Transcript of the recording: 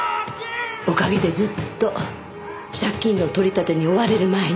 おかげでずっと借金の取り立てに追われる毎日。